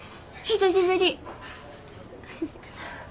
久しぶり。